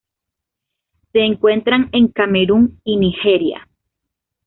Se encuentran en Camerún y Nigeria.